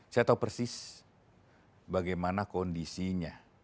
saya tahu persis bagaimana kondisinya